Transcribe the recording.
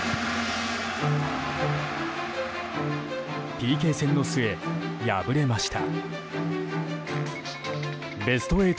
ＰＫ戦の末、敗れました。